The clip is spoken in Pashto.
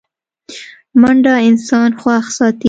منډه انسان خوښ ساتي